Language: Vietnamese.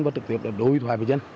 và trực tiếp là đối thoại với dân